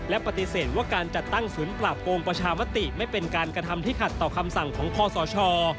และปฏิเสธว่าการจัดตั้งศูนย์ปราบโกงประชามติไม่เป็นการกระทำที่ขัดต่อคำสั่งของคอสช